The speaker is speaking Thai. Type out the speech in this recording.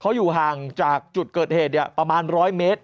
เขาอยู่ห่างจากจุดเกิดเหตุประมาณ๑๐๐เมตร